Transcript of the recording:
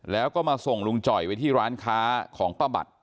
แล้วก็มาส่งลุงจ่อยไว้ที่ร้านค้าของป้าบัตร